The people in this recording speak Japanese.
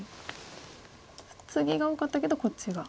ツギが多かったけどこっちが。